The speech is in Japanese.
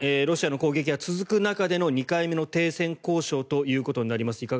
ロシアの攻撃が続く中での２回目の停戦交渉ということになります。